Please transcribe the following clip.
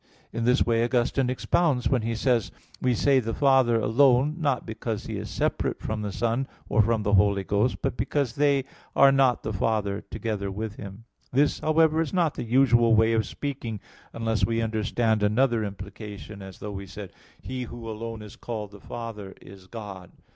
In this way Augustine expounds when he says (De Trin. vi, 6): "We say the Father alone, not because He is separate from the Son, or from the Holy Ghost, but because they are not the Father together with Him." This, however, is not the usual way of speaking, unless we understand another implication, as though we said "He who alone is called the Father is God."